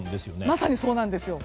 まさにそうなんです。